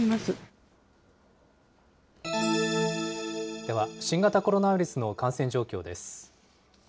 では、新型コロナウイルスの感染状況です。